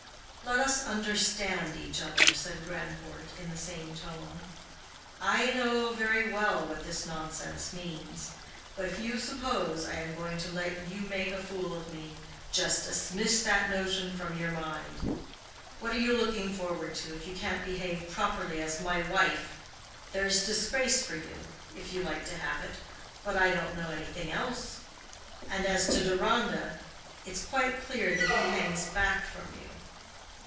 "Let us understand each other," said Grandcourt, in the same tone. "I know very well what this nonsense means. But if you suppose I am going to let you make a fool of me, just dismiss that notion from your mind. What are you looking forward to, if you can't behave properly as my wife? There is disgrace for you, if you like to have it, but I don't know anything else; and as to Deronda, it's quite clear that he hangs back from you."